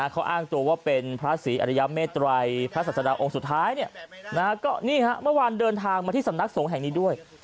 เขาอ้างตัวว่าเป็นพระศรีอริยเมตรัยพระศาสดาองค์สุดท้ายก็นี่ฮะเมื่อวานเดินทางมาที่สำนักสงฆ์แห่งนี้ด้วย